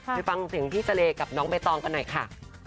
ไปฟังเสียงพี่เสรย์กับน้องใบตองกันหน่อยค่ะ